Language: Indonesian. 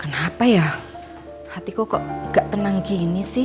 kenapa ya hatiku kok gak tenang gini sih